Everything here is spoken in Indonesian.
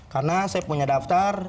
karena saya punya daftar